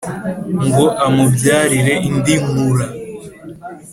Ngo amubyarire indi Nkura,